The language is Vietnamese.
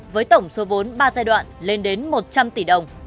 với tổng số vốn ba giai đoạn lên đến một trăm linh tỷ đồng